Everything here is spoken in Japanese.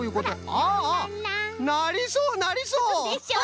ああなりそうなりそう！